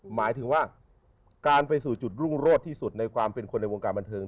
หมายถึงว่าการไปสู่จุดรุ่งโรดที่สุดในความเป็นคนในวงการบันเทิง